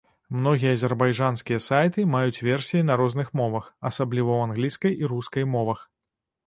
Многія азербайджанскія сайты маюць версіі на розных мовах, асабліва ў англійскай і рускай мовах.